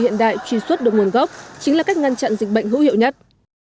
hiện đại truy xuất được nguồn gốc chính là cách ngăn chặn dịch bệnh hữu hiệu nhất